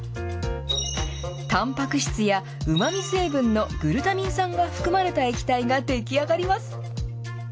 たんぱく質やうまみ成分のグルタミン酸が含まれた液体が出来上がります。